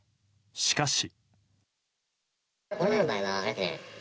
しかし。